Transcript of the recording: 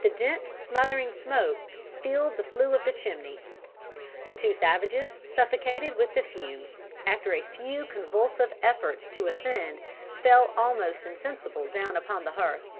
The dense smothering smoke filled the flue of the chimney. The two savages, suffocated with the fumes, after a few convulsive efforts to ascend fell almost insensible down upon the hearth.